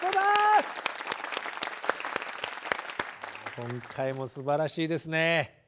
今回もすばらしいですね。